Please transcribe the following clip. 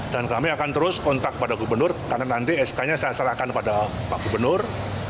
dan kami akan terus kontak kepada gubernur karena nanti sk nya saya serahkan kepada pak gubernur